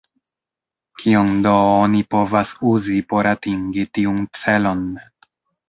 Kion do oni povas uzi por atingi tiun celon?